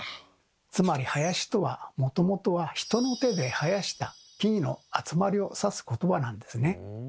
つまり「林」とはもともとは人の手で生やした木々の集まりを指すことばなんですね。